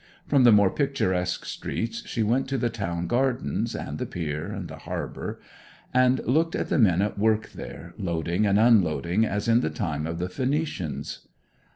From the more picturesque streets she went to the town gardens, and the Pier, and the Harbour, and looked at the men at work there, loading and unloading as in the time of the Phoenicians.